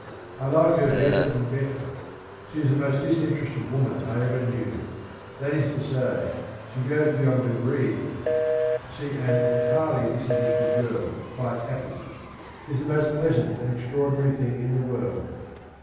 I like her better and better. She is the most disinterested woman I ever knew — that is to say, she goes beyond degree in it. To see an entirely disinterested girl quite happy is the most pleasant and extraordinary thing in the world.